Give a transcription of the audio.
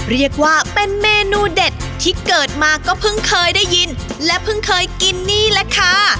เรียกว่าเป็นเมนูเด็ดที่เกิดมาก็เพิ่งเคยได้ยินและเพิ่งเคยกินนี่แหละค่ะ